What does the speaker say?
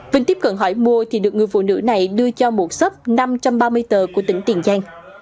vinh tiếp cận hỏi mua thì được người phụ nữ này đưa cho một sấp năm trăm ba mươi tờ của tỉnh tiền giang